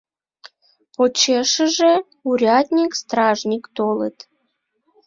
Почешыже урядник, стражник толыт.